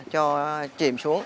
cho chìm xuống